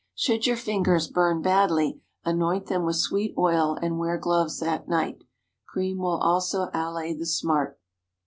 Should your fingers burn badly, anoint them with sweet oil and wear gloves that night. Cream will also allay the smart.